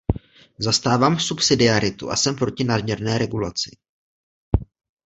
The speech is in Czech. Zastávám subsidiaritu a jsem proti nadměrné regulaci.